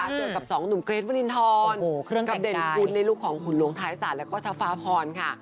เจอกับสองหนุ่มเกรทวลินทรกับเด่นฝุ่นในลูกของขุนหลวงทายศาจและชาวฟ้าพรค่ะ